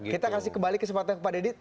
kita kasih kembali kesempatan kepada dedy